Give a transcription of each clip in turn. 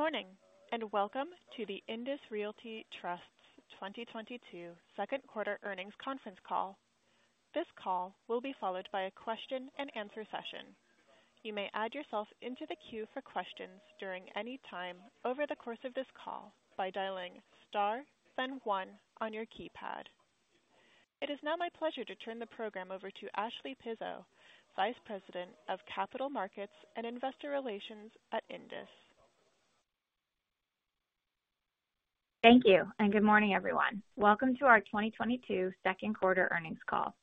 Good morning, and welcome to the INDUS Realty Trust 2022 second quarter earnings conference call. This call will be followed by a question and answer session. You may add yourself into the queue for questions at any time over the course of this call by dialing star then one on your keypad. It is now my pleasure to turn the program over to Ashley Pizzo, Vice President, Capital Markets & Investor Relations at INDUS. Thank you and good morning, everyone. Welcome to our 2022 second quarter earnings call.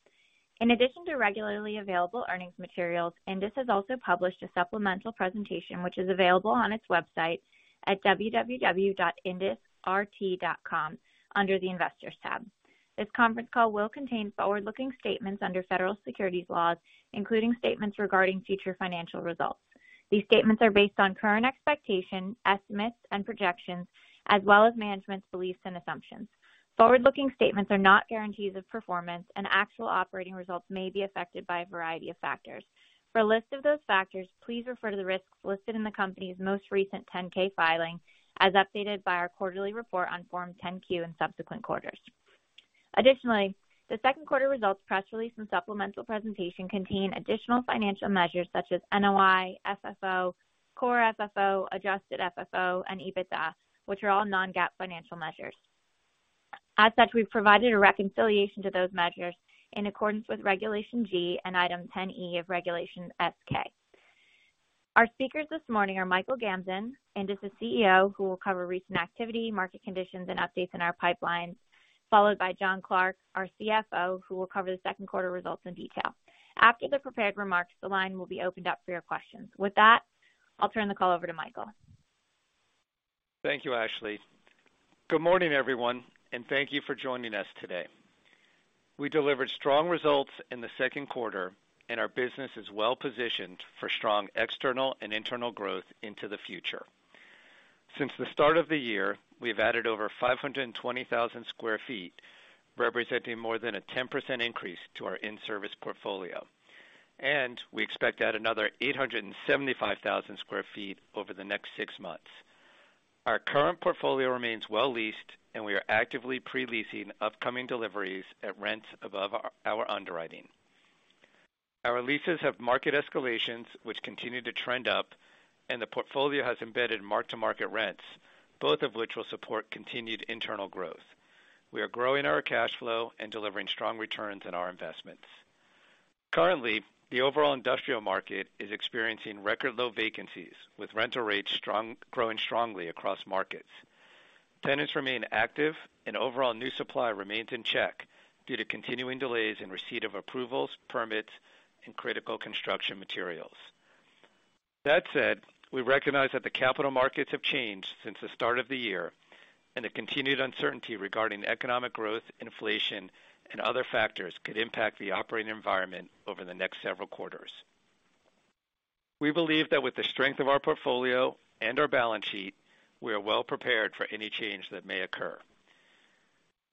In addition to regularly available earnings materials, INDUS has also published a supplemental presentation which is available on its website at www.indusrt.com under the Investors tab. This conference call will contain forward-looking statements under federal securities laws, including statements regarding future financial results. These statements are based on current expectations, estimates, and projections as well as management's beliefs and assumptions. Forward-looking statements are not guarantees of performance, and actual operating results may be affected by a variety of factors. For a list of those factors, please refer to the risks listed in the company's most recent 10-K filing as updated by our quarterly report on Form 10-Q in subsequent quarters. Additionally, the second quarter results, press release and supplemental presentation contain additional financial measures such as NOI, FFO, core FFO, adjusted FFO, and EBITDA, which are all non-GAAP financial measures. As such, we've provided a reconciliation to those measures in accordance with Regulation G and Item 10-E of Regulation S-K. Our speakers this morning are Michael Gamzon, INDUS's CEO, who will cover recent activity, market conditions and updates in our pipeline, followed by Jon Clark, our CFO, who will cover the second quarter results in detail. After the prepared remarks, the line will be opened up for your questions. With that, I'll turn the call over to Michael. Thank you, Ashley. Good morning, everyone, and thank you for joining us today. We delivered strong results in the second quarter and our business is well positioned for strong external and internal growth into the future. Since the start of the year, we've added over 520,000 sq ft, representing more than a 10% increase to our in-service portfolio. We expect to add another 875,000 sq ft over the next six months. Our current portfolio remains well leased, and we are actively pre-leasing upcoming deliveries at rents above our underwriting. Our leases have market escalations which continue to trend up, and the portfolio has embedded mark-to-market rents, both of which will support continued internal growth. We are growing our cash flow and delivering strong returns on our investments. Currently, the overall industrial market is experiencing record low vacancies with rental rates strong, growing strongly across markets. Tenants remain active and overall new supply remains in check due to continuing delays in receipt of approvals, permits, and critical construction materials. That said, we recognize that the capital markets have changed since the start of the year, and the continued uncertainty regarding economic growth, inflation, and other factors could impact the operating environment over the next several quarters. We believe that with the strength of our portfolio and our balance sheet, we are well prepared for any change that may occur.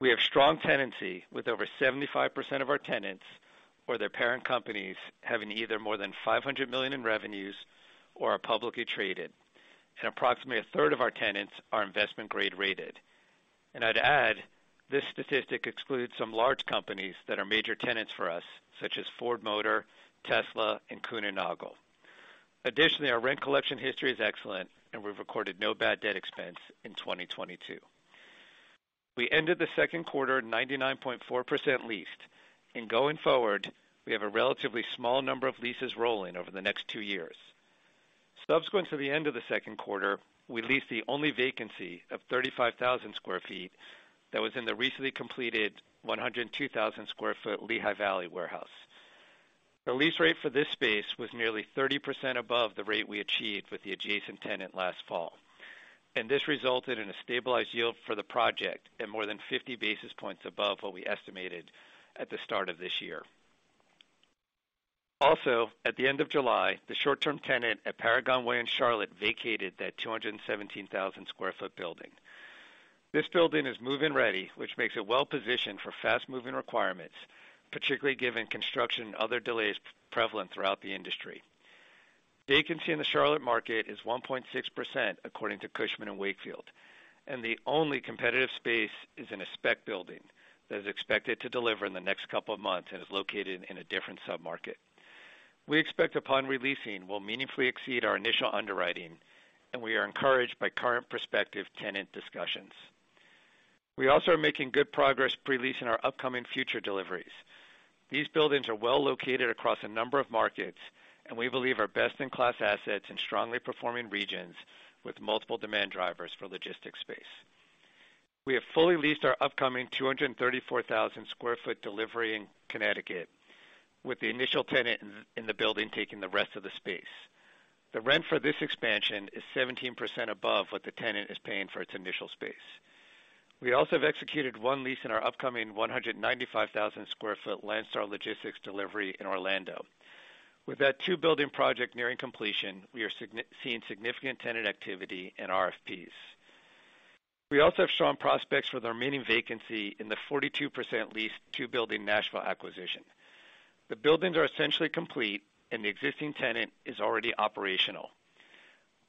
We have strong tenancy with over 75% of our tenants or their parent companies having either more than $500 million in revenues or are publicly traded. Approximately a third of our tenants are investment grade rated. I'd add this statistic excludes some large companies that are major tenants for us, such as Ford Motor, Tesla, and Kuehne+Nagel. Additionally, our rent collection history is excellent, and we've recorded no bad debt expense in 2022. We ended the second quarter 99.4% leased. Going forward, we have a relatively small number of leases rolling over the next two years. Subsequent to the end of the second quarter, we leased the only vacancy of 35,000 sq ft that was in the recently completed 102,000 sq ft Lehigh Valley warehouse. The lease rate for this space was nearly 30% above the rate we achieved with the adjacent tenant last fall. This resulted in a stabilized yield for the project at more than 50 basis points above what we estimated at the start of this year. Also, at the end of July, the short-term tenant at Paragon Way in Charlotte vacated that 217,000 sq ft building. This building is move-in ready, which makes it well positioned for fast moving requirements, particularly given construction and other delays prevalent throughout the industry. Vacancy in the Charlotte market is 1.6%, according to Cushman & Wakefield, and the only competitive space is in a spec building that is expected to deliver in the next couple of months and is located in a different submarket. We expect upon re-leasing will meaningfully exceed our initial underwriting, and we are encouraged by current prospective tenant discussions. We also are making good progress pre-leasing our upcoming future deliveries. These buildings are well located across a number of markets, and we believe are best-in-class assets in strongly performing regions with multiple demand drivers for logistics space. We have fully leased our upcoming 234,000 sq ft delivery in Connecticut, with the initial tenant in the building taking the rest of the space. The rent for this expansion is 17% above what the tenant is paying for its initial space. We also have executed one lease in our upcoming 195,000 sq ft Landstar Logistics delivery in Orlando. With that two-building project nearing completion, we are seeing significant tenant activity and RFPs. We also have strong prospects with our remaining vacancy in the 42% leased two-building Nashville acquisition. The buildings are essentially complete and the existing tenant is already operational.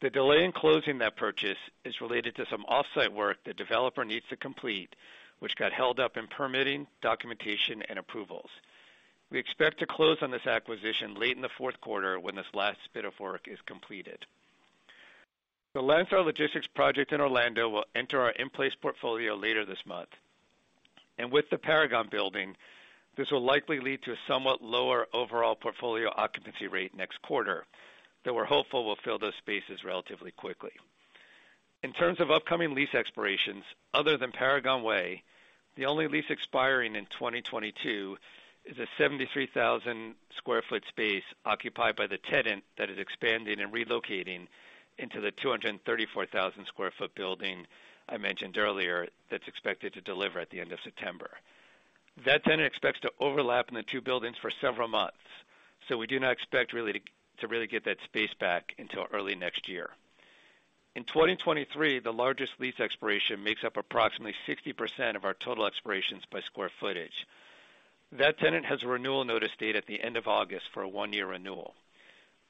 The delay in closing that purchase is related to some off-site work the developer needs to complete, which got held up in permitting, documentation and approvals. We expect to close on this acquisition late in the fourth quarter when this last bit of work is completed. The Landstar Logistics project in Orlando will enter our in-place portfolio later this month, and with the Paragon building, this will likely lead to a somewhat lower overall portfolio occupancy rate next quarter, though we're hopeful we'll fill those spaces relatively quickly. In terms of upcoming lease expirations, other than Paragon Way, the only lease expiring in 2022 is a 73,000 sq ft space occupied by the tenant that is expanding and relocating into the 234,000 sq ft building I mentioned earlier that's expected to deliver at the end of September. That tenant expects to overlap in the two buildings for several months, so we do not expect to really get that space back until early next year. In 2023, the largest lease expiration makes up approximately 60% of our total expirations by square footage. That tenant has a renewal notice date at the end of August for a 1-year renewal.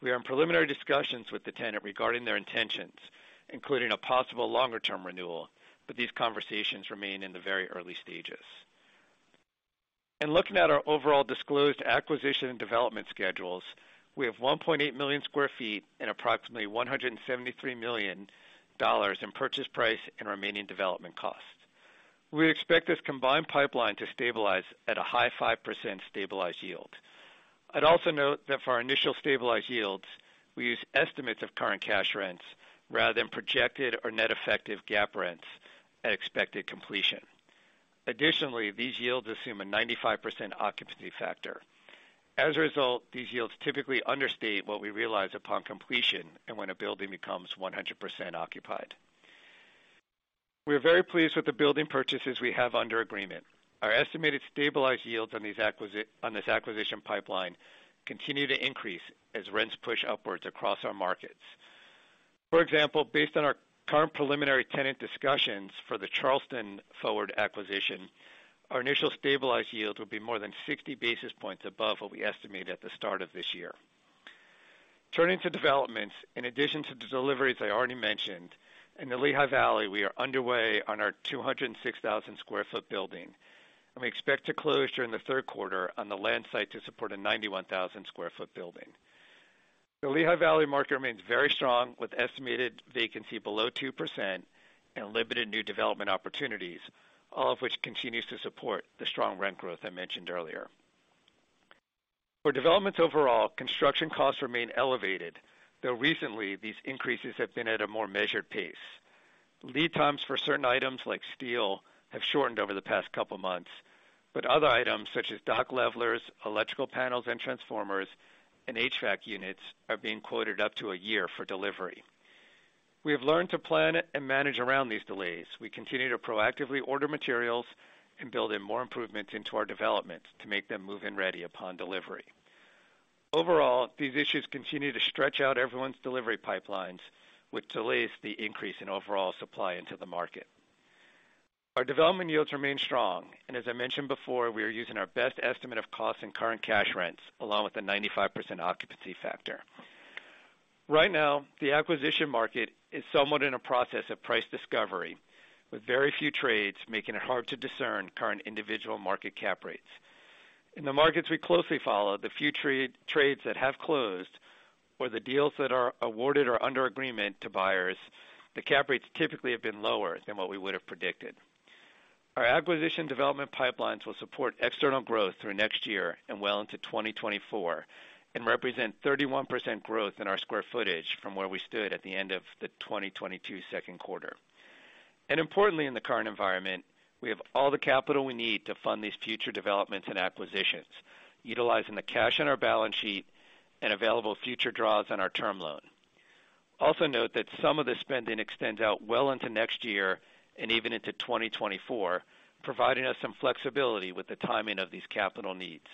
We are in preliminary discussions with the tenant regarding their intentions, including a possible longer-term renewal, but these conversations remain in the very early stages. In looking at our overall disclosed acquisition and development schedules, we have 1.8 million sq ft and approximately $173 million in purchase price and remaining development costs. We expect this combined pipeline to stabilize at a high 5% stabilized yield. I'd also note that for our initial stabilized yields, we use estimates of current cash rents rather than projected or net effective GAAP rents at expected completion. Additionally, these yields assume a 95% occupancy factor. As a result, these yields typically understate what we realize upon completion and when a building becomes 100% occupied. We're very pleased with the building purchases we have under agreement. Our estimated stabilized yields on these on this acquisition pipeline continue to increase as rents push upwards across our markets. For example, based on our current preliminary tenant discussions for the Charleston Forward acquisition, our initial stabilized yield will be more than 60 basis points above what we estimated at the start of this year. Turning to developments, in addition to the deliveries I already mentioned, in the Lehigh Valley, we are underway on our 206,000 sq ft building, and we expect to close during the third quarter on the land site to support a 91,000 sq ft building. The Lehigh Valley market remains very strong, with estimated vacancy below 2% and limited new development opportunities, all of which continues to support the strong rent growth I mentioned earlier. For developments overall, construction costs remain elevated, though recently these increases have been at a more measured pace. Lead times for certain items like steel have shortened over the past couple months, but other items such as dock levelers, electrical panels and transformers, and HVAC units are being quoted up to a year for delivery. We have learned to plan and manage around these delays. We continue to proactively order materials and build in more improvements into our developments to make them move-in ready upon delivery. Overall, these issues continue to stretch out everyone's delivery pipelines, which delays the increase in overall supply into the market. Our development yields remain strong, and as I mentioned before, we are using our best estimate of costs and current cash rents along with the 95% occupancy factor. Right now, the acquisition market is somewhat in a process of price discovery, with very few trades making it hard to discern current individual market cap rates. In the markets we closely follow, the few trades that have closed or the deals that are awarded or under agreement to buyers, the cap rates typically have been lower than what we would have predicted. Our acquisition development pipelines will support external growth through next year and well into 2024, and represent 31% growth in our square footage from where we stood at the end of the 2022 second quarter. Importantly in the current environment, we have all the capital we need to fund these future developments and acquisitions, utilizing the cash on our balance sheet and available future draws on our term loan. Also note that some of the spending extends out well into next year and even into 2024, providing us some flexibility with the timing of these capital needs.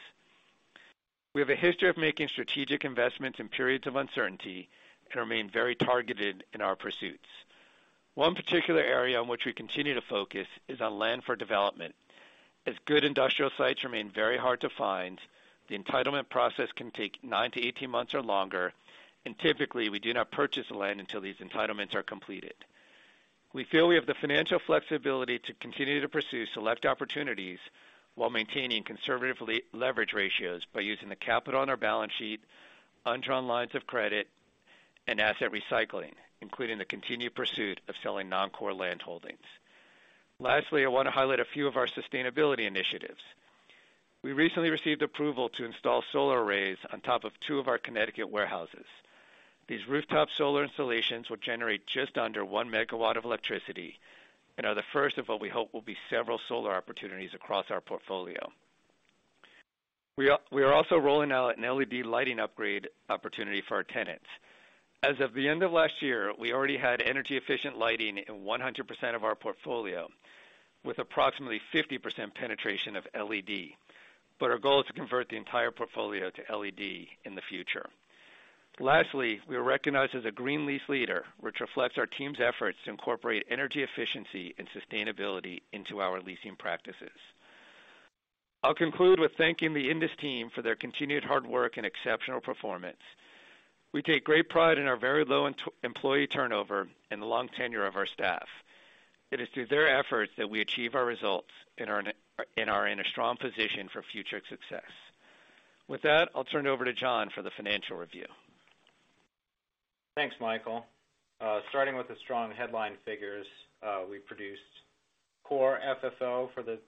We have a history of making strategic investments in periods of uncertainty and remain very targeted in our pursuits. One particular area in which we continue to focus is on land for development. As good industrial sites remain very hard to find, the entitlement process can take 9-18 months or longer. Typically, we do not purchase land until these entitlements are completed. We feel we have the financial flexibility to continue to pursue select opportunities while maintaining conservative leverage ratios by using the capital on our balance sheet, undrawn lines of credit, and asset recycling, including the continued pursuit of selling non-core land holdings. Lastly, I want to highlight a few of our sustainability initiatives. We recently received approval to install solar arrays on top of two of our Connecticut warehouses. These rooftop solar installations will generate just under 1 megawatt of electricity and are the first of what we hope will be several solar opportunities across our portfolio. We are also rolling out an LED lighting upgrade opportunity for our tenants. As of the end of last year, we already had energy-efficient lighting in 100% of our portfolio with approximately 50% penetration of LED. Our goal is to convert the entire portfolio to LED in the future. Lastly, we are recognized as a green lease leader, which reflects our team's efforts to incorporate energy efficiency and sustainability into our leasing practices. I'll conclude with thanking the INDUS team for their continued hard work and exceptional performance. We take great pride in our very low internal employee turnover and the long tenure of our staff. It is through their efforts that we achieve our results and are in a strong position for future success. With that, I'll turn it over to Jon for the financial review. Thanks, Michael. Starting with the strong headline figures, we produced core FFO for the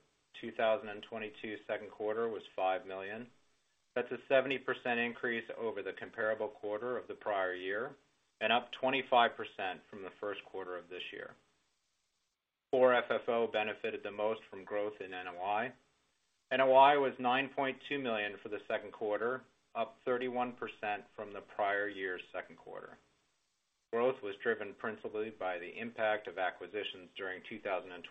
2022 second quarter was $5 million. That's a 70% increase over the comparable quarter of the prior year, and up 25% from the first quarter of this year. Core FFO benefited the most from growth in NOI. NOI was $9.2 million for the second quarter, up 31% from the prior year's second quarter. Growth was driven principally by the impact of acquisitions during 2021.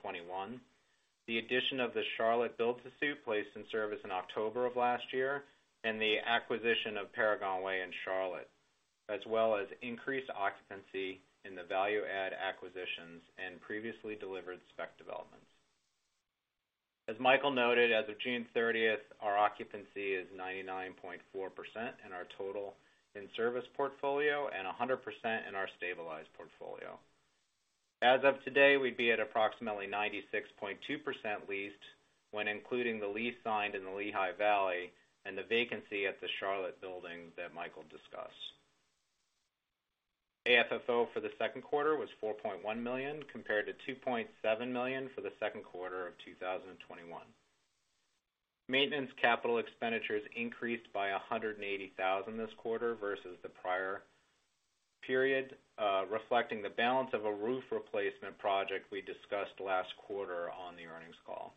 The addition of the Charlotte build-to-suit placed in service in October of last year, and the acquisition of Paragon Way in Charlotte, as well as increased occupancy in the value-add acquisitions and previously delivered spec developments. As Michael noted, as of June 30, our occupancy is 99.4% in our total in-service portfolio and 100% in our stabilized portfolio. As of today, we'd be at approximately 96.2% leased when including the lease signed in the Lehigh Valley and the vacancy at the Charlotte building that Michael discussed. AFFO for the second quarter was $4.1 million, compared to $2.7 million for the second quarter of 2021. Maintenance capital expenditures increased by $180,000 this quarter versus the prior period, reflecting the balance of a roof replacement project we discussed last quarter on the earnings call.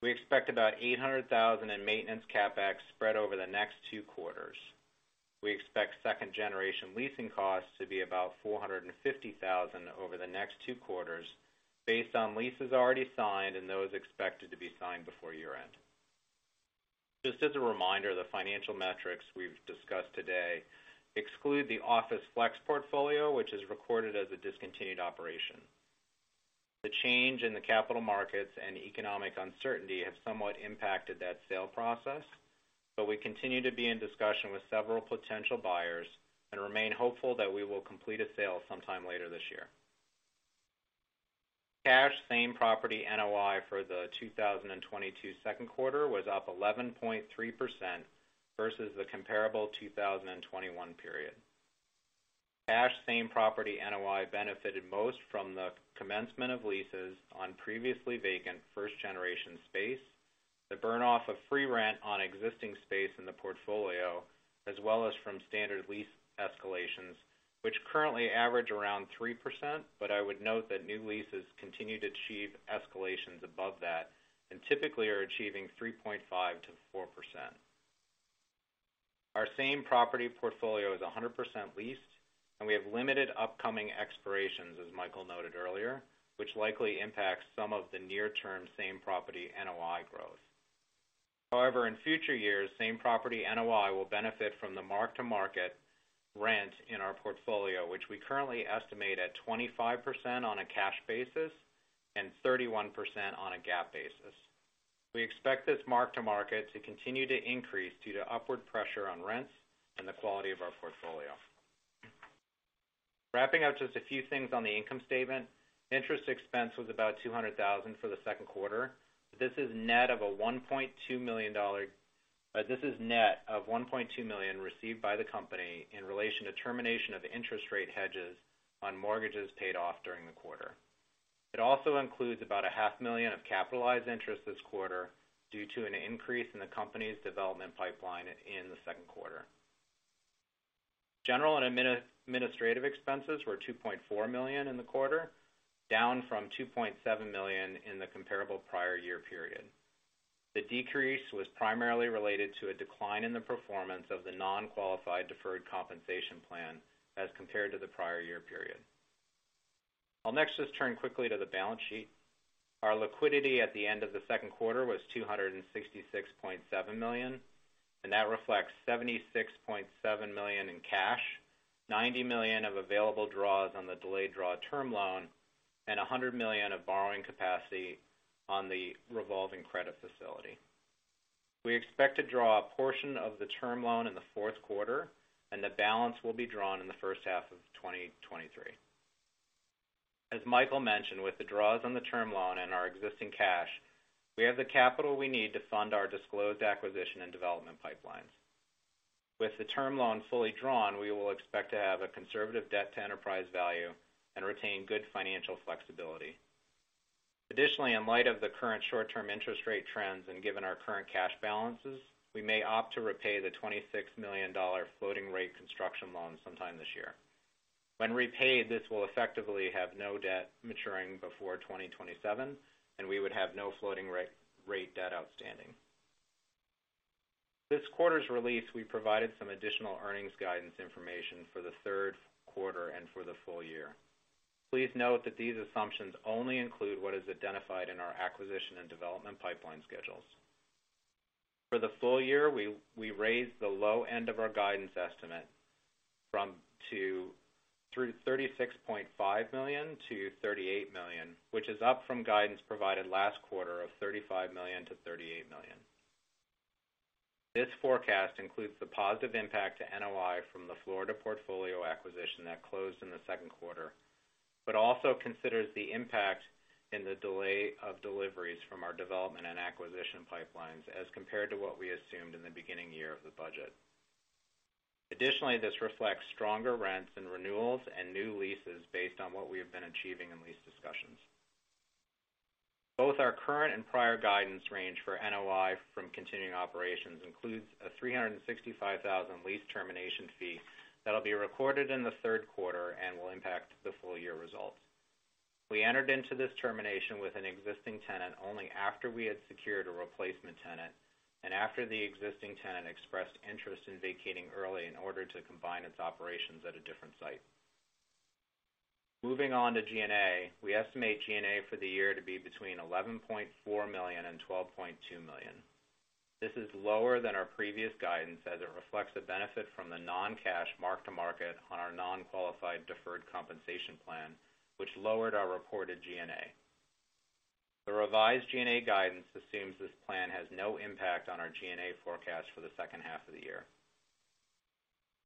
We expect about $800,000 in maintenance CapEx spread over the next two quarters. We expect second generation leasing costs to be about $450,000 over the next two quarters based on leases already signed and those expected to be signed before year-end. Just as a reminder, the financial metrics we've discussed today exclude the office flex portfolio, which is recorded as a discontinued operation. The change in the capital markets and economic uncertainty have somewhat impacted that sale process, but we continue to be in discussion with several potential buyers and remain hopeful that we will complete a sale sometime later this year. Cash same-property NOI for the 2022 second quarter was up 11.3% versus the comparable 2021 period. Cash same-property NOI benefited most from the commencement of leases on previously vacant first-generation space, the burn off of free rent on existing space in the portfolio, as well as from standard lease escalations, which currently average around 3%, but I would note that new leases continue to achieve escalations above that and typically are achieving 3.5%-4%. Our same property portfolio is 100% leased, and we have limited upcoming expirations, as Michael noted earlier, which likely impacts some of the near-term same-property NOI growth. However, in future years, same-property NOI will benefit from the mark-to-market rent in our portfolio, which we currently estimate at 25% on a cash basis and 31% on a GAAP basis. We expect this mark-to-market to continue to increase due to upward pressure on rents and the quality of our portfolio. Wrapping up just a few things on the income statement. Interest expense was about $200,000 for the second quarter. This is net of $1.2 million received by the company in relation to termination of interest rate hedges on mortgages paid off during the quarter. It also includes about a half million of capitalized interest this quarter due to an increase in the company's development pipeline in the second quarter. General and administrative expenses were $2.4 million in the quarter, down from $2.7 million in the comparable prior year period. The decrease was primarily related to a decline in the performance of the non-qualified deferred compensation plan as compared to the prior year period. I'll next just turn quickly to the balance sheet. Our liquidity at the end of the second quarter was $266.7 million, and that reflects $76.7 million in cash, $90 million of available draws on the delayed draw term loan, and $100 million of borrowing capacity on the revolving credit facility. We expect to draw a portion of the term loan in the fourth quarter, and the balance will be drawn in the first half of 2023. As Michael mentioned, with the draws on the term loan and our existing cash, we have the capital we need to fund our disclosed acquisition and development pipelines. With the term loan fully drawn, we will expect to have a conservative debt-to-enterprise value and retain good financial flexibility. Additionally, in light of the current short-term interest rate trends and given our current cash balances, we may opt to repay the $26 million floating rate construction loan sometime this year. When repaid, this will effectively have no debt maturing before 2027, and we would have no floating rate debt outstanding. This quarter's release, we provided some additional earnings guidance information for the third quarter and for the full year. Please note that these assumptions only include what is identified in our acquisition and development pipeline schedules. For the full year, we raised the low end of our guidance estimate from $36.5 million-$38 million, which is up from guidance provided last quarter of $35 million-$38 million. This forecast includes the positive impact to NOI from the Florida portfolio acquisition that closed in the second quarter, but also considers the impact in the delay of deliveries from our development and acquisition pipelines as compared to what we assumed in the beginning year of the budget. Additionally, this reflects stronger rents and renewals and new leases based on what we have been achieving in lease discussions. Both our current and prior guidance range for NOI from continuing operations includes a $365,000 lease termination fee that'll be recorded in the third quarter and will impact the full year results. We entered into this termination with an existing tenant only after we had secured a replacement tenant and after the existing tenant expressed interest in vacating early in order to combine its operations at a different site. Moving on to G&A. We estimate G&A for the year to be between $11.4 million and $12.2 million. This is lower than our previous guidance as it reflects the benefit from the non-cash mark-to-market on our non-qualified deferred compensation plan, which lowered our reported G&A. The revised G&A guidance assumes this plan has no impact on our G&A forecast for the second half of the year.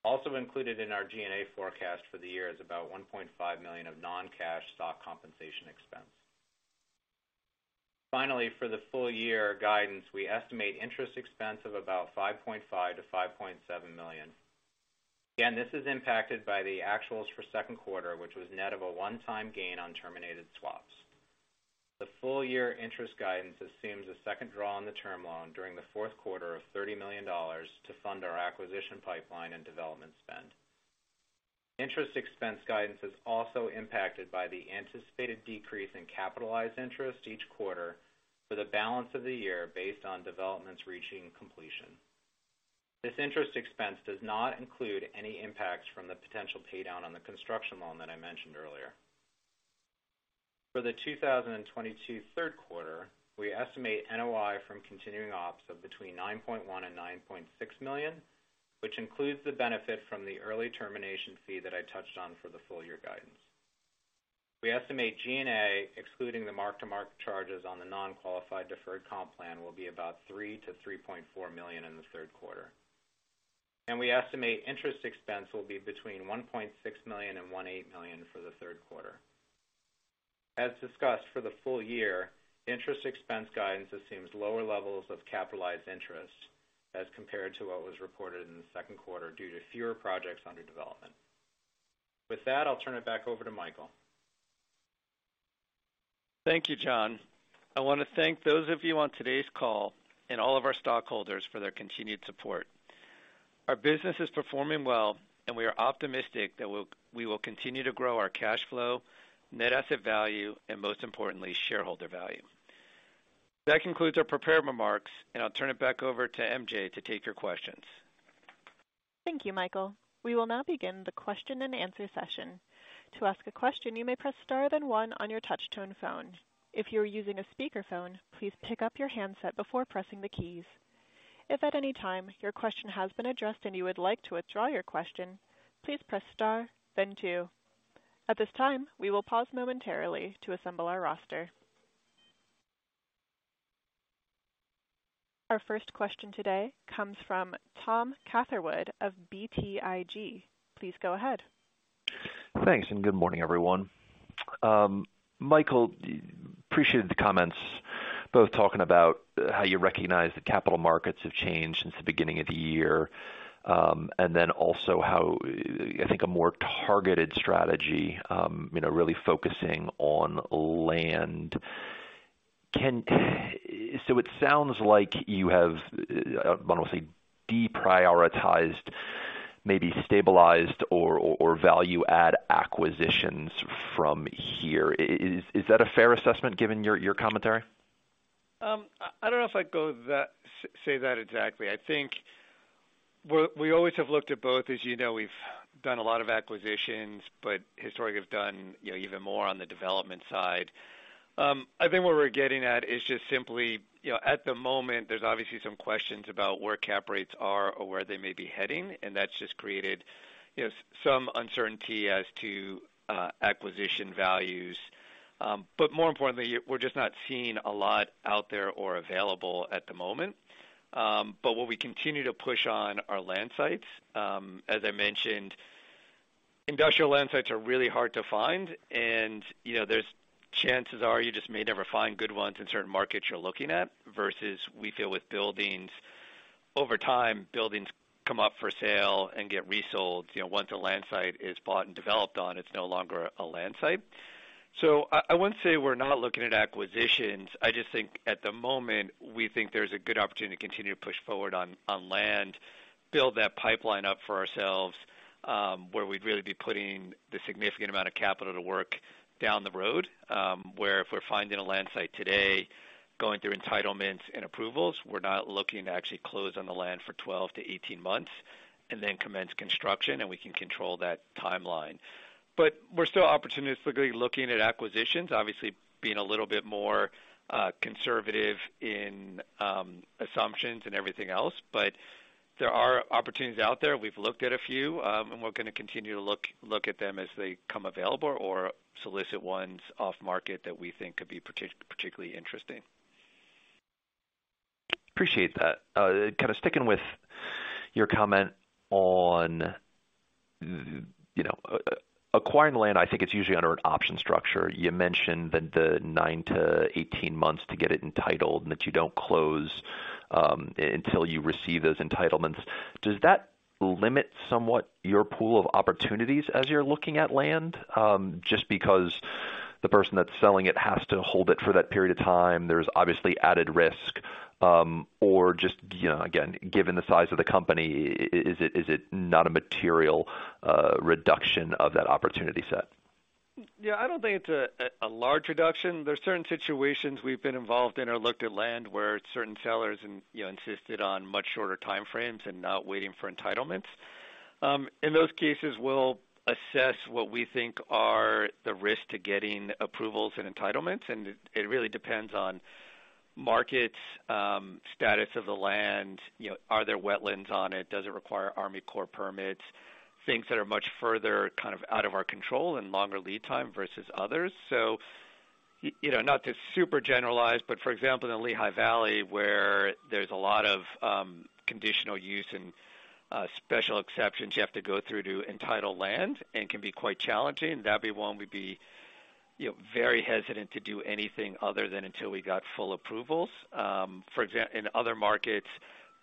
Also included in our G&A forecast for the year is about $1.5 million of non-cash stock compensation expense. Finally, for the full year guidance, we estimate interest expense of about $5.5 million-$5.7 million. Again, this is impacted by the actuals for second quarter, which was net of a one-time gain on terminated swaps. The full year interest guidance assumes a second draw on the term loan during the fourth quarter of $30 million to fund our acquisition pipeline and development spend. Interest expense guidance is also impacted by the anticipated decrease in capitalized interest each quarter for the balance of the year based on developments reaching completion. This interest expense does not include any impacts from the potential pay down on the construction loan that I mentioned earlier. For the 2022 third quarter, we estimate NOI from continuing ops of between $9.1 million and $9.6 million, which includes the benefit from the early termination fee that I touched on for the full year guidance. We estimate G&A, excluding the mark-to-market charges on the non-qualified deferred comp plan, will be about $3-$3.4 million in the third quarter. We estimate interest expense will be between $1.6 million and $1.8 million for the third quarter. As discussed, for the full year, interest expense guidance assumes lower levels of capitalized interest as compared to what was reported in the second quarter due to fewer projects under development. With that, I'll turn it back over to Michael. Thank you, Jon. I wanna thank those of you on today's call and all of our stockholders for their continued support. Our business is performing well, and we are optimistic that we will continue to grow our cash flow, net asset value, and most importantly, shareholder value. That concludes our prepared remarks, and I'll turn it back over to MJ to take your questions. Thank you, Michael. We will now begin the question-and-answer session. To ask a question, you may press star then one on your touch-tone phone. If you are using a speakerphone, please pick up your handset before pressing the keys. If at any time your question has been addressed and you would like to withdraw your question, please press star then two. At this time, we will pause momentarily to assemble our roster. Our first question today comes from Tom Catherwood of BTIG. Please go ahead. Thanks, and good morning, everyone. Michael, appreciated the comments both talking about how you recognize the capital markets have changed since the beginning of the year, and then also how, I think a more targeted strategy, you know, really focusing on land. It sounds like you have, I wanna say, deprioritized, maybe stabilized or value add acquisitions from here. Is that a fair assessment given your commentary? I don't know if I'd say that exactly. I think we always have looked at both. As you know, we've done a lot of acquisitions, but historically have done, you know, even more on the development side. I think where we're getting at is just simply, you know, at the moment, there's obviously some questions about where cap rates are or where they may be heading, and that's just created, you know, some uncertainty as to acquisition values. But more importantly, we're just not seeing a lot out there or available at the moment. But what we continue to push on are land sites. As I mentioned, industrial land sites are really hard to find and, you know, there's chances are you just may never find good ones in certain markets you're looking at versus we feel with buildings. Over time, buildings come up for sale and get resold. You know, once a land site is bought and developed on, it's no longer a land site. I wouldn't say we're not looking at acquisitions. I just think at the moment, we think there's a good opportunity to continue to push forward on land, build that pipeline up for ourselves, where we'd really be putting the significant amount of capital to work down the road, where if we're finding a land site today, going through entitlements and approvals, we're not looking to actually close on the land for 12-18 months and then commence construction, and we can control that timeline. We're still opportunistically looking at acquisitions, obviously being a little bit more conservative in assumptions and everything else. There are opportunities out there. We've looked at a few, and we're gonna continue to look at them as they become available or solicit ones off market that we think could be particularly interesting. Appreciate that. Kind of sticking with your comment on, you know, acquiring land, I think it's usually under an option structure. You mentioned the 9-18 months to get it entitled, and that you don't close until you receive those entitlements. Does that limit somewhat your pool of opportunities as you're looking at land, just because the person that's selling it has to hold it for that period of time, there's obviously added risk, or just, you know, again, given the size of the company, is it not a material reduction of that opportunity set? Yeah, I don't think it's a large reduction. There are certain situations we've been involved in or looked at land where certain sellers you know, insisted on much shorter time frames and not waiting for entitlements. In those cases, we'll assess what we think are the risk to getting approvals and entitlements. It really depends on markets, status of the land, you know, are there wetlands on it? Does it require Army Corps permits? Things that are much further kind of out of our control and longer lead time versus others. You know, not to super generalize, but for example, in the Lehigh Valley, where there's a lot of conditional use and special exceptions you have to go through to entitle land and can be quite challenging. That'd be one we'd be, you know, very hesitant to do anything other than until we got full approvals. In other markets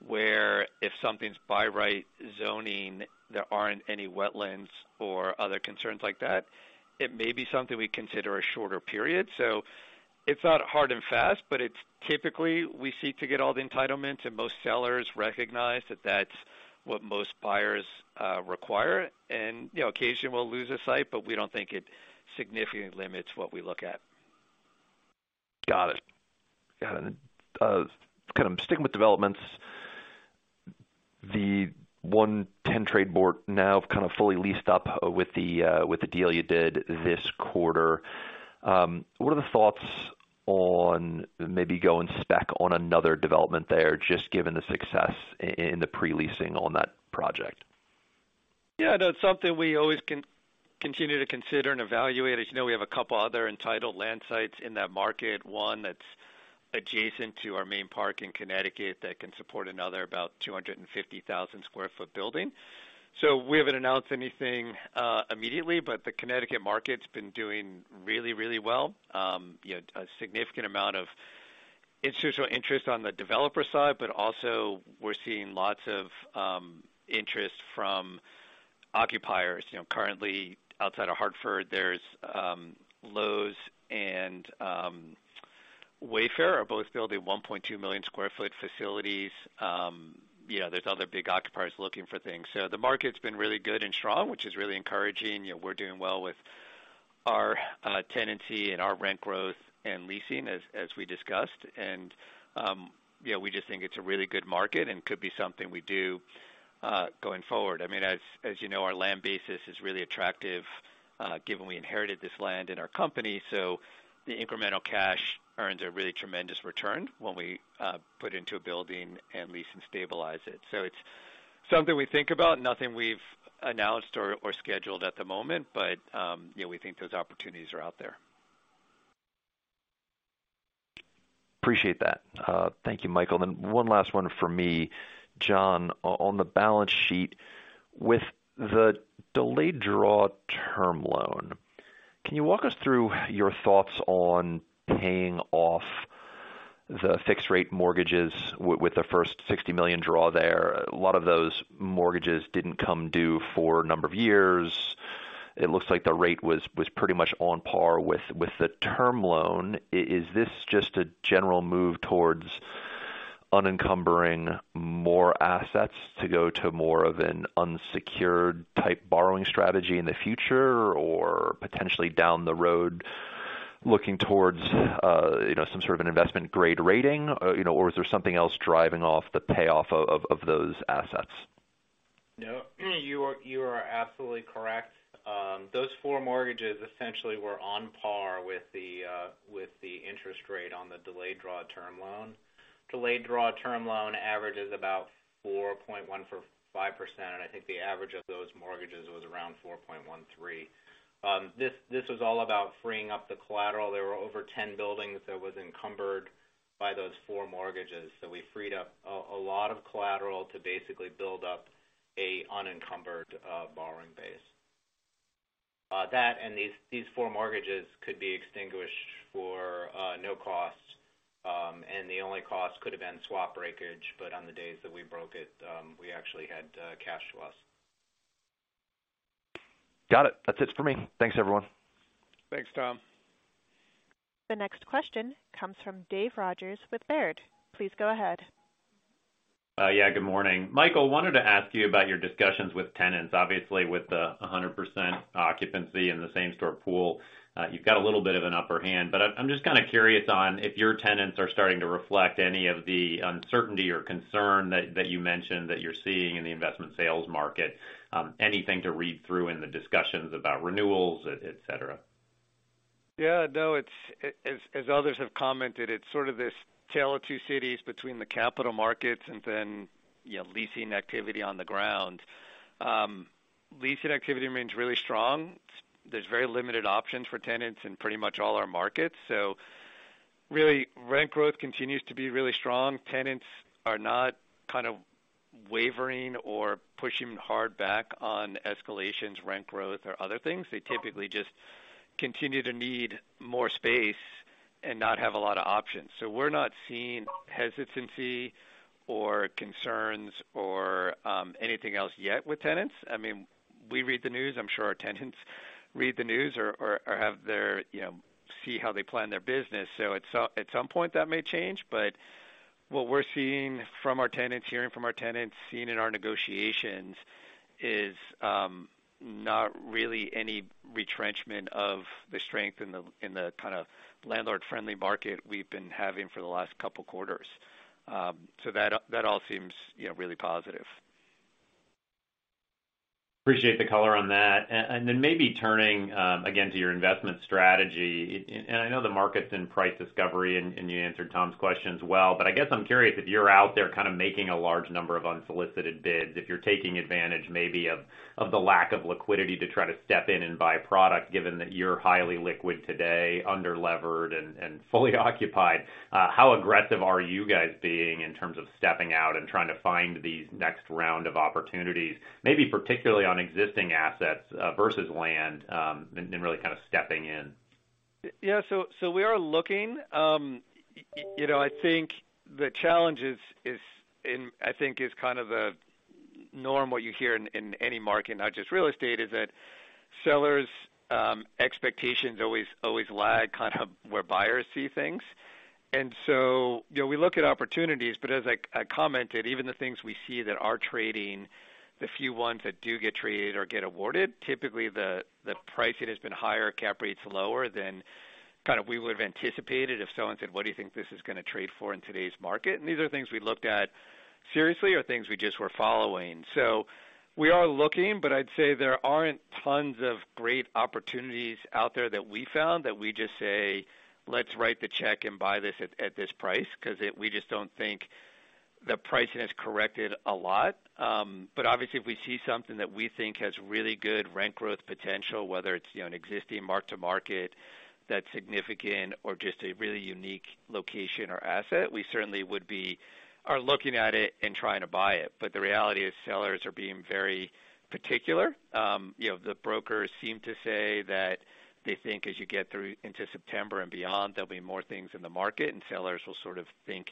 where if something's by right zoning, there aren't any wetlands or other concerns like that, it may be something we consider a shorter period. It's not hard and fast, but it's typically we seek to get all the entitlements, and most sellers recognize that that's what most buyers require. You know, occasionally we'll lose a site, but we don't think it significantly limits what we look at. Got it. Kind of sticking with developments. The 110 Tradeport now kind of fully leased up with the deal you did this quarter. What are the thoughts on maybe going spec on another development there, just given the success in the pre-leasing on that project? Yeah, that's something we always continue to consider and evaluate. As you know, we have a couple other entitled land sites in that market, one that's adjacent to our main park in Connecticut that can support another about 250,000 sq ft building. We haven't announced anything immediately, but the Connecticut market's been doing really, really well. You know, a significant amount of institutional interest on the developer side, but also we're seeing lots of interest from occupiers. You know, currently outside of Hartford, there's Lowe's and Wayfair are both building 1.2 million sq ft facilities. You know, there's other big occupiers looking for things. The market's been really good and strong, which is really encouraging. You know, we're doing well with our tenancy and our rent growth and leasing as we discussed. You know, we just think it's a really good market and could be something we do, going forward. I mean, as you know, our land basis is really attractive, given we inherited this land in our company, so the incremental cash earns a really tremendous return when we put into a building and lease and stabilize it. It's something we think about. Nothing we've announced or scheduled at the moment, but you know, we think those opportunities are out there. Appreciate that. Thank you, Michael. One last one for me. Jon, on the balance sheet, with the delayed draw term loan, can you walk us through your thoughts on paying off the fixed rate mortgages with the first $60 million draw there? A lot of those mortgages didn't come due for a number of years. It looks like the rate was pretty much on par with the term loan. Is this just a general move towards unencumbering more assets to go to more of an unsecured type borrowing strategy in the future or potentially down the road looking towards, you know, some sort of an investment grade rating? You know, or is there something else driving the payoff of those assets? No, you are absolutely correct. Those four mortgages essentially were on par with the interest rate on the delayed draw term loan. Delayed draw term loan average is about 4.145%. I think the average of those mortgages was around 4.13%. This was all about freeing up the collateral. There were over 10 buildings that was encumbered by those four mortgages. We freed up a lot of collateral to basically build up a unencumbered borrowing base. That and these four mortgages could be extinguished for no cost. The only cost could have been swap breakage, but on the days that we broke it, we actually had cash loss. Got it. That's it for me. Thanks, everyone. Thanks, Tom. The next question comes from Dave Rodgers with Baird. Please go ahead. Yeah, good morning. Michael, wanted to ask you about your discussions with tenants. Obviously, with the 100% occupancy in the same-store pool, you've got a little bit of an upper hand, but I'm just kinda curious on if your tenants are starting to reflect any of the uncertainty or concern that you mentioned that you're seeing in the investment sales market. Anything to read through in the discussions about renewals, et cetera? As others have commented, it's sort of this tale of two cities between the capital markets and then, you know, leasing activity on the ground. Leasing activity remains really strong. There's very limited options for tenants in pretty much all our markets. Really, rent growth continues to be really strong. Tenants are not kind of wavering or pushing hard back on escalations, rent growth, or other things. They typically just continue to need more space and not have a lot of options. We're not seeing hesitancy or concerns or, anything else yet with tenants. I mean, we read the news. I'm sure our tenants read the news or have their, you know, see how they plan their business. At some point, that may change. What we're seeing from our tenants, hearing from our tenants, seeing in our negotiations is not really any retrenchment of the strength in the kinda landlord-friendly market we've been having for the last couple quarters. That all seems, you know, really positive. Appreciate the color on that. Then maybe turning again to your investment strategy. I know the market's in price discovery, you answered Tom's questions well. I guess I'm curious if you're out there kind of making a large number of unsolicited bids, if you're taking advantage maybe of the lack of liquidity to try to step in and buy product, given that you're highly liquid today, under-levered and fully occupied. How aggressive are you guys being in terms of stepping out and trying to find these next round of opportunities, maybe particularly on existing assets versus land, really kinda stepping in? Yeah. We are looking. You know, I think the challenge is I think is kind of the norm, what you hear in any market, not just real estate, is that sellers' expectations always lag kind of where buyers see things. You know, we look at opportunities, but as I commented, even the things we see that are trading, the few ones that do get traded or get awarded, typically the pricing has been higher, cap rates lower than kind of we would've anticipated if someone said, "What do you think this is gonna trade for in today's market?" These are things we looked at seriously or things we just were following. We are looking, but I'd say there aren't tons of great opportunities out there that we found that we just say, "Let's write the check and buy this at this price." 'Cause we just don't think the pricing has corrected a lot. But obviously, if we see something that we think has really good rent growth potential, whether it's, you know, an existing mark-to-market that's significant or just a really unique location or asset, we certainly are looking at it and trying to buy it. But the reality is, sellers are being very particular. You know, the brokers seem to say that they think as you get through into September and beyond, there'll be more things in the market, and sellers will sort of think,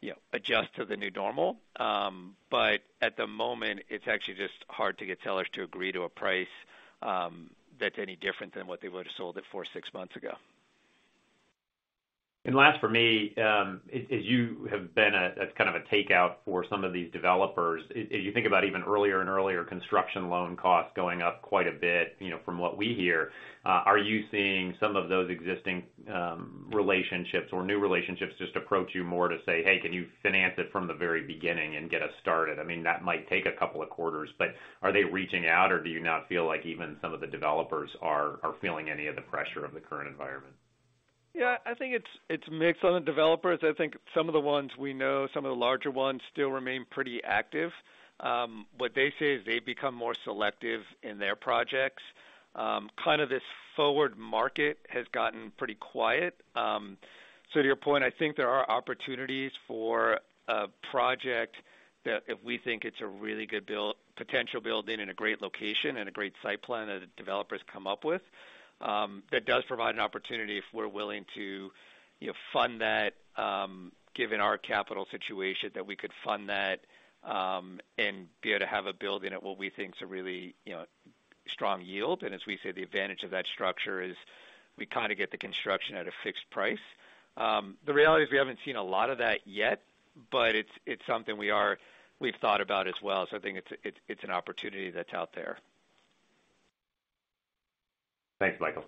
you know, adjust to the new normal. At the moment, it's actually just hard to get sellers to agree to a price that's any different than what they would've sold it for six months ago. Last for me, as you have been a kind of takeout for some of these developers, as you think about even earlier and earlier construction loan costs going up quite a bit, you know, from what we hear, are you seeing some of those existing relationships or new relationships just approach you more to say, "Hey, can you finance it from the very beginning and get us started?" I mean, that might take a couple of quarters, but are they reaching out, or do you not feel like even some of the developers are feeling any of the pressure of the current environment? Yeah. I think it's mixed on the developers. I think some of the ones we know, some of the larger ones still remain pretty active. What they say is they've become more selective in their projects. Kind of this forward market has gotten pretty quiet. So to your point, I think there are opportunities for a project that if we think it's a really good potential building in a great location and a great site plan that developers come up with, that does provide an opportunity if we're willing to, you know, fund that, given our capital situation, that we could fund that, and be able to have a building at what we think is a really, you know, strong yield. As we say, the advantage of that structure is we kinda get the construction at a fixed price. The reality is we haven't seen a lot of that yet, but it's something we've thought about as well. I think it's an opportunity that's out there. Thanks, Michael.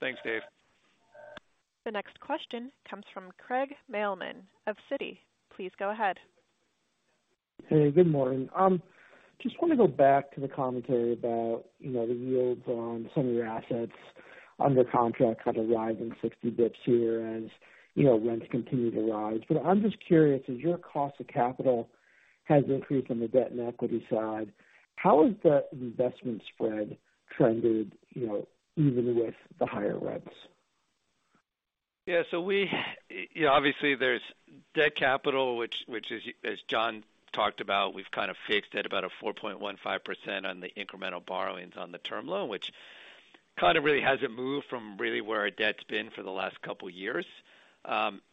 Thanks, Dave. The next question comes from Craig Mailman of Citi. Please go ahead. Hey, good morning. Just wanna go back to the commentary about, you know, the yields on some of your assets under contract have arrived in 60 basis points here and, you know, rents continue to rise. I'm just curious, as your cost of capital has increased on the debt and equity side, how has the investment spread trended, you know, even with the higher rents? You know, obviously, there's debt capital, which is, as Jon talked about, we've kind of fixed at about a 4.15% on the incremental borrowings on the term loan, which kind of really hasn't moved from really where our debt's been for the last couple years.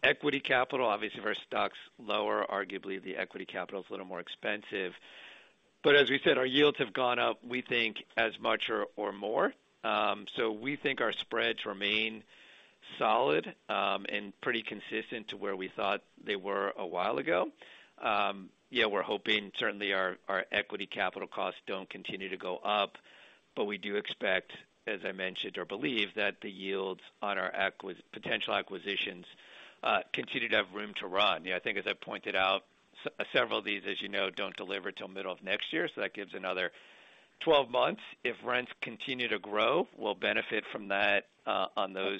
Equity capital, obviously, if our stock's lower, arguably the equity capital is a little more expensive. As we said, our yields have gone up, we think, as much or more. We think our spreads remain solid and pretty consistent to where we thought they were a while ago. We're hoping certainly our equity capital costs don't continue to go up, but we do expect, as I mentioned, or believe, that the yields on our acquisition potential acquisitions continue to have room to run. Yeah, I think as I pointed out, several of these, as you know, don't deliver till middle of next year, so that gives another 12 months. If rents continue to grow, we'll benefit from that on those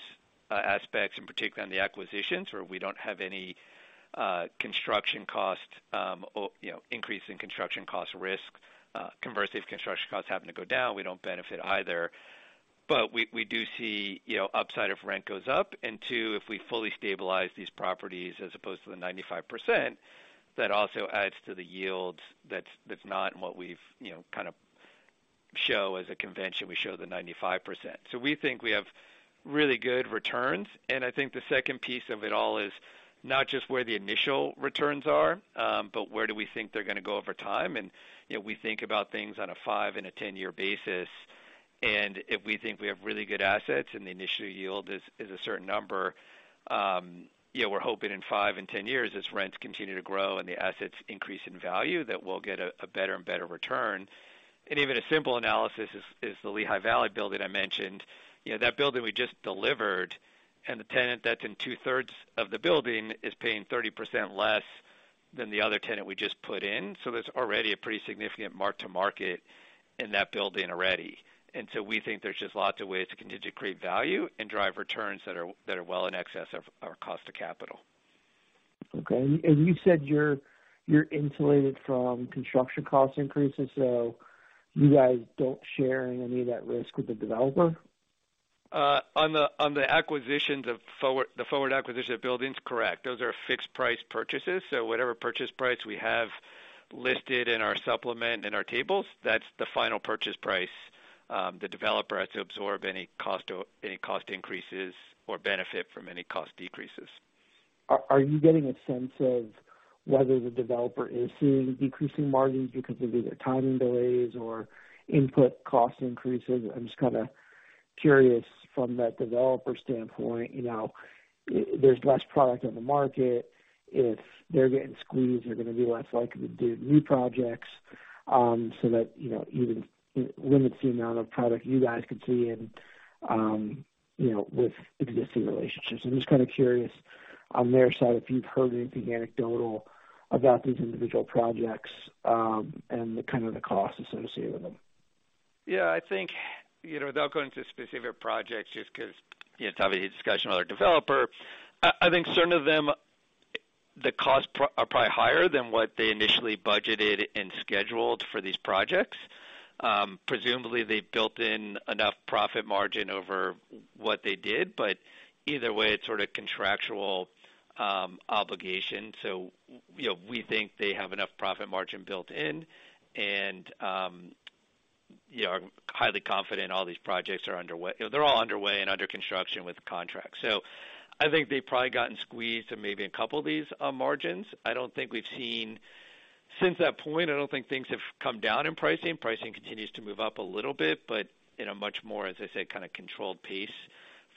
aspects, in particular on the acquisitions, where we don't have any construction costs or, you know, increase in construction cost risk. Conversely, if construction costs happen to go down, we don't benefit either. We do see, you know, upside if rent goes up, and two, if we fully stabilize these properties as opposed to the 95%, that also adds to the yields. That's not what we've, you know, kind of show as a convention. We show the 95%. We think we have really good returns. I think the second piece of it all is not just where the initial returns are, but where do we think they're gonna go over time. You know, we think about things on a five- and 10-year basis. If we think we have really good assets and the initial yield is a certain number, you know, we're hoping in five and 10 years, as rents continue to grow and the assets increase in value, that we'll get a better and better return. Even a simple analysis is the Lehigh Valley building I mentioned. You know, that building we just delivered, and the tenant that's in two-thirds of the building is paying 30% less than the other tenant we just put in. That's already a pretty significant mark-to-market in that building already. We think there's just lots of ways to continue to create value and drive returns that are well in excess of our cost to capital. Okay. You said you're insulated from construction cost increases, so you guys don't share any of that risk with the developer? On the acquisitions of the forward acquisition of buildings, correct. Those are fixed price purchases, so whatever purchase price we have listed in our supplement and our tables, that's the final purchase price. The developer has to absorb any cost or any cost increases or benefit from any cost decreases. Are you getting a sense of whether the developer is seeing decreasing margins because of either timing delays or input cost increases? I'm just kind of curious from that developer standpoint, you know, if there's less product on the market, if they're getting squeezed, they're gonna be less likely to do new projects, so that, you know, even limits the amount of product you guys can see in, you know, with existing relationships. I'm just kind of curious on their side, if you've heard anything anecdotal about these individual projects, and the kind of the costs associated with them. Yeah. I think, you know, without going into specific projects, just 'cause, you know, it's obviously a discussion with our developer, I think certain of them, the costs are probably higher than what they initially budgeted and scheduled for these projects. Presumably they built in enough profit margin over what they did, but either way, it's sort of contractual obligation. You know, we think they have enough profit margin built in and, yeah, are highly confident all these projects are underway. You know, they're all underway and under construction with the contract. So I think they've probably gotten squeezed in maybe a couple of these, margins. I don't think we've seen. Since that point, I don't think things have come down in pricing. Pricing continues to move up a little bit, but in a much more, as I said, kind of controlled pace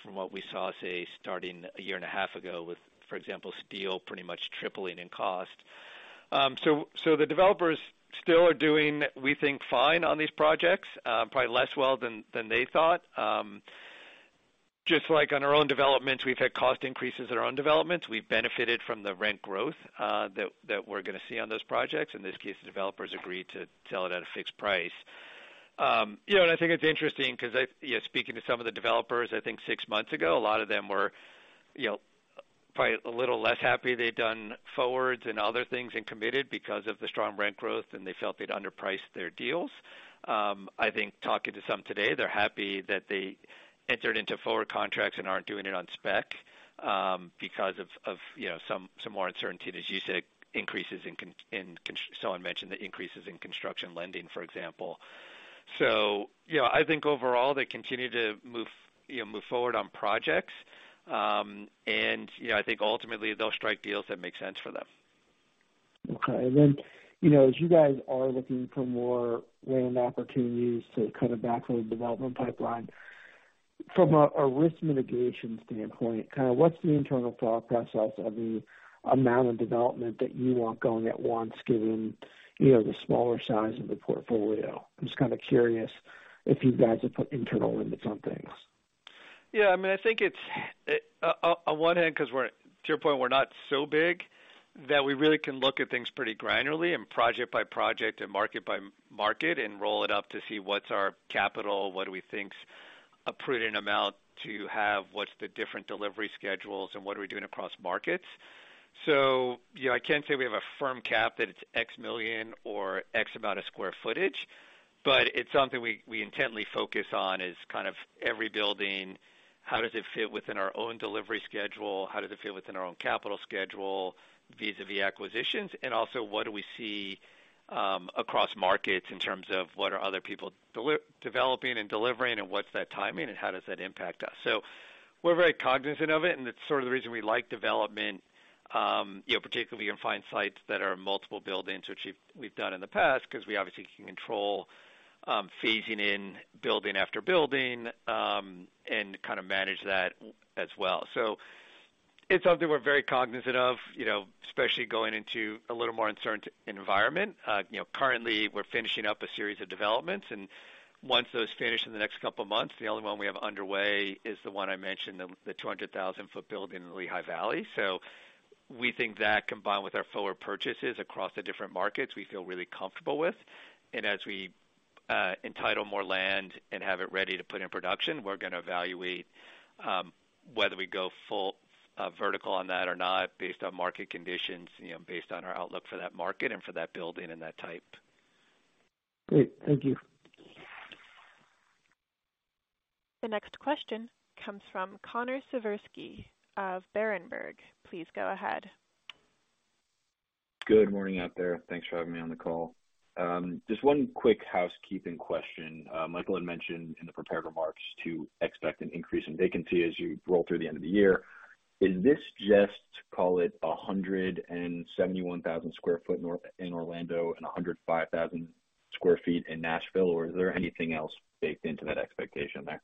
from what we saw, say, starting a year and a half ago with, for example, steel pretty much tripling in cost. So the developers still are doing, we think, fine on these projects, probably less well than they thought. Just like on our own developments, we've had cost increases on our own developments. We've benefited from the rent growth that we're gonna see on those projects. In this case, the developers agreed to sell it at a fixed price. You know, and I think it's interesting 'cause I Yeah, speaking to some of the developers, I think six months ago, a lot of them were, you know, probably a little less happy they'd done forwards and other things and committed because of the strong rent growth, and they felt they'd underpriced their deals. I think talking to some today, they're happy that they entered into forward contracts and aren't doing it on spec, because of, you know, some more uncertainty, as you said, increases in construction lending, for example. I think overall, they continue to move, you know, move forward on projects. I think ultimately they'll strike deals that make sense for them. Okay. You know, as you guys are looking for more land opportunities to kind of backload the development pipeline, from a risk mitigation standpoint, kind of what's the internal thought process of the amount of development that you want going at once, given, you know, the smaller size of the portfolio? I'm just kind of curious if you guys have put internal limits on things. Yeah. I mean, I think it's on one hand, 'cause to your point, we're not so big that we really can look at things pretty granularly and project by project and market by market and roll it up to see what's our capital, what do we think's a prudent amount to have, what's the different delivery schedules, and what are we doing across markets. You know, I can't say we have a firm cap that it's X million or X amount of square footage, but it's something we intently focus on is kind of every building. How does it fit within our own delivery schedule? How does it fit within our own capital schedule vis-à-vis acquisitions? And also, what do we see across markets in terms of what are other people developing and delivering and what's that timing and how does that impact us? We're very cognizant of it, and it's sort of the reason we like development, you know, particularly if we can find sites that are multiple buildings, which we've done in the past, 'cause we obviously can control, phasing in building after building, and kind of manage that as well. It's something we're very cognizant of, you know, especially going into a little more uncertain environment. You know, currently, we're finishing up a series of developments, and once those finish in the next couple months, the only one we have underway is the one I mentioned, the 200,000 sq ft building in Lehigh Valley. We think that combined with our forward purchases across the different markets, we feel really comfortable with. As we entitle more land and have it ready to put in production, we're gonna evaluate whether we go full vertical on that or not based on market conditions, you know, based on our outlook for that market and for that building and that type. Great. Thank you. The next question comes from Connor Siversky of Berenberg. Please go ahead. Good morning out there. Thanks for having me on the call. Just one quick housekeeping question. Michael had mentioned in the prepared remarks to expect an increase in vacancy as you roll through the end of the year. Is this just, call it, 171,000 sq ft in Orlando and 105,000 sq ft in Nashville, or is there anything else baked into that expectation there?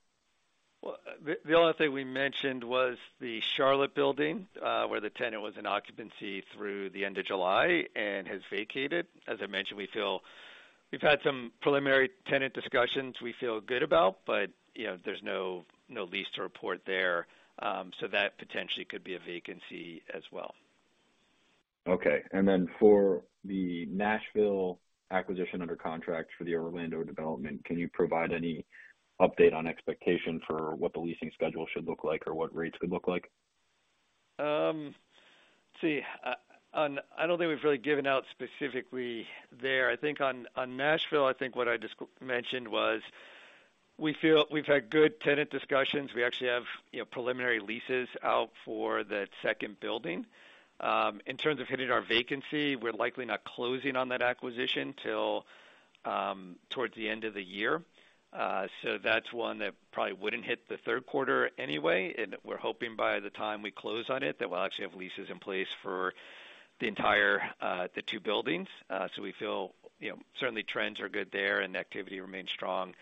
The only thing we mentioned was the Charlotte building, where the tenant was in occupancy through the end of July and has vacated. As I mentioned, we feel we've had some preliminary tenant discussions we feel good about, but you know, there's no lease to report there. That potentially could be a vacancy as well. Okay. For the Nashville acquisition under contract for the Orlando development, can you provide any update on expectation for what the leasing schedule should look like or what rates would look like? I don't think we've really given out specifically there. I think on Nashville, I think what I just mentioned was we feel we've had good tenant discussions. We actually have, you know, preliminary leases out for the second building. In terms of hitting our vacancy, we're likely not closing on that acquisition till towards the end of the year. That's one that probably wouldn't hit the third quarter anyway, and we're hoping by the time we close on it, that we'll actually have leases in place for the entire two buildings. We feel, you know, certainly trends are good there and activity remains strong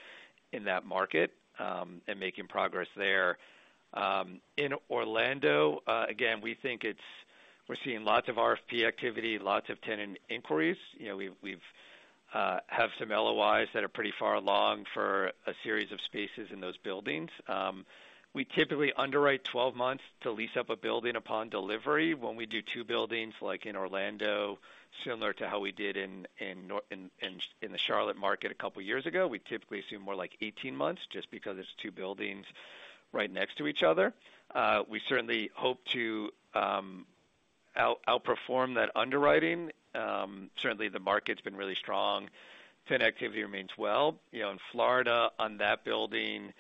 in that market, and making progress there. In Orlando, again, we think we're seeing lots of RFP activity, lots of tenant inquiries. You know, we have some LOIs that are pretty far along for a series of spaces in those buildings. We typically underwrite 12 months to lease up a building upon delivery. When we do two buildings, like in Orlando, similar to how we did in the Charlotte market a couple years ago, we typically assume more like 18 months just because it's two buildings right next to each other. We certainly hope to outperform that underwriting. Certainly the market's been really strong. Tenant activity remains well. You know, in Florida on that building,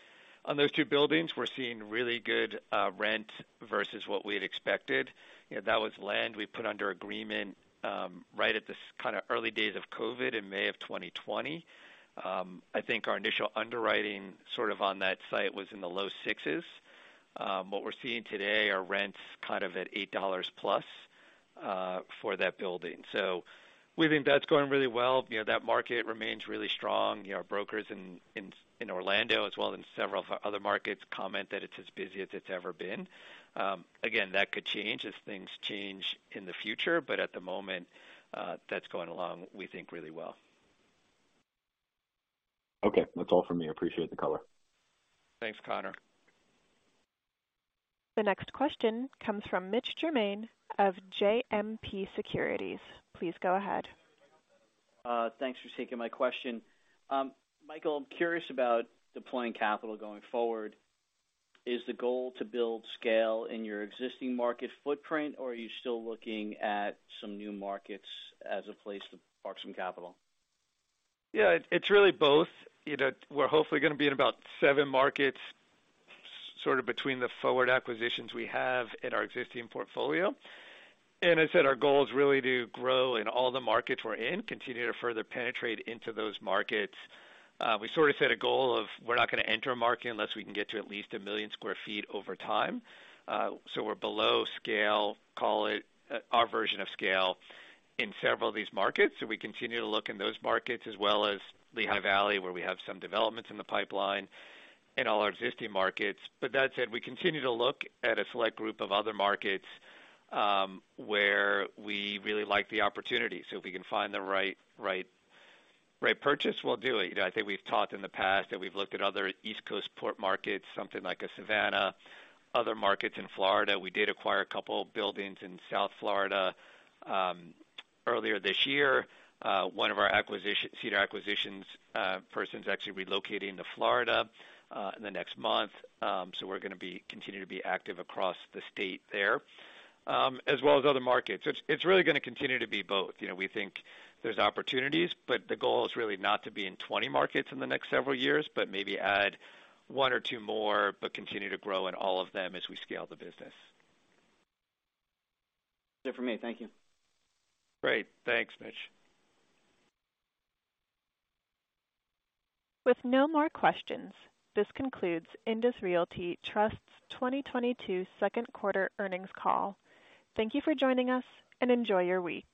on those two buildings, we're seeing really good rent versus what we had expected. You know, that was land we put under agreement, right at the sort of early days of COVID in May 2020. I think our initial underwriting sort of on that site was in the low 6s. What we're seeing today are rents kind of at $8 plus for that building. We think that's going really well. You know, that market remains really strong. You know, our brokers in Orlando as well in several other markets comment that it's as busy as it's ever been. Again, that could change as things change in the future, but at the moment, that's going along, we think, really well. Okay. That's all for me. I appreciate the color. Thanks, Connor. The next question comes from Mitch Germain of JMP Securities. Please go ahead. Thanks for taking my question. Michael, I'm curious about deploying capital going forward. Is the goal to build scale in your existing market footprint, or are you still looking at some new markets as a place to park some capital? Yeah, it's really both. You know, we're hopefully gonna be in about 7 markets sort of between the forward acquisitions we have in our existing portfolio. I said our goal is really to grow in all the markets we're in, continue to further penetrate into those markets. We sort of set a goal of we're not gonna enter a market unless we can get to at least 1 million sq ft over time. We're below scale, call it, our version of scale in several of these markets. We continue to look in those markets as well as Lehigh Valley, where we have some developments in the pipeline in all our existing markets. That said, we continue to look at a select group of other markets, where we really like the opportunity. If we can find the right purchase, we'll do it. You know, I think we've talked in the past that we've looked at other East Coast port markets, something like a Savannah, other markets in Florida. We did acquire a couple buildings in South Florida, earlier this year. One of our senior acquisitions person's actually relocating to Florida, in the next month. We're gonna continue to be active across the state there, as well as other markets. It's really gonna continue to be both. You know, we think there's opportunities, but the goal is really not to be in 20 markets in the next several years, but maybe add one or two more, but continue to grow in all of them as we scale the business. That's it for me. Thank you. Great. Thanks, Mitch. With no more questions, this concludes INDUS Realty Trust's 2022 second quarter earnings call. Thank you for joining us, and enjoy your week.